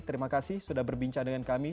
terima kasih sudah berbincang dengan kami